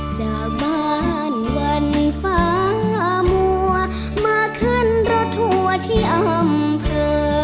จากบ้านวันฟ้ามัวมาขึ้นรถทัวร์ที่อำเภอ